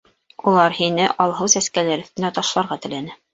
Улар һине Алһыу Сәскәләр өҫтөнә ташларға теләне.